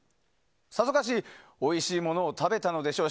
さぞかし、おいしいものを食べたのでしょう。